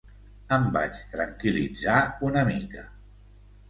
Em vaig tranquil·litzar una mica.